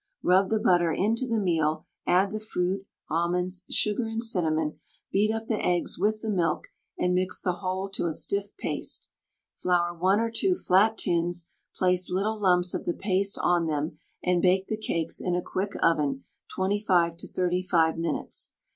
Rub the butter into the meal, add the fruit, almonds, sugar, and cinnamon, beat up the eggs with the milk, and mix the whole to a stiff paste. Flour 1 or 2 flat tins, place little lumps of the paste on them, and bake the cakes in a quick oven 25 to 35 minutes.